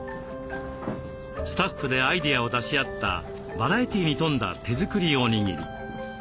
スタッフでアイデアを出し合ったバラエティーに富んだ手作りおにぎり。